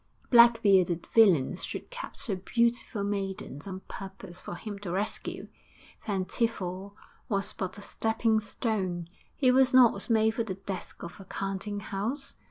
Black bearded villains should capture beautiful maidens on purpose for him to rescue. Van Tiefel was but a stepping stone; he was not made for the desk of a counting house.